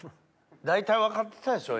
大体分かってたでしょ